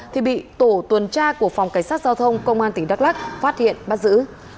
thì bị tổ tuần tra của phòng cảnh sát giao thông công an tỉnh đắk lắc phát hiện bắt giữ